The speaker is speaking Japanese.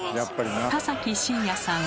田崎真也さん